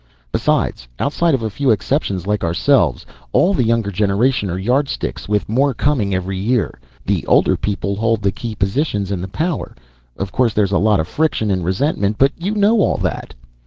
Besides, outside of a few exceptions like ourselves, all the younger generation are Yardsticks, with more coming every year. The older people hold the key positions and the power. Of course there's a lot of friction and resentment. But you know all that."